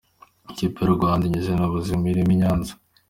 Ikipe y’urwanda inyuzwe n’ubuzima irimo i Nyanza